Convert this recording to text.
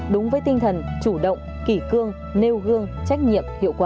đúng với tinh thần chủ động kỷ cương nêu gương trách nhiệm hiệu quả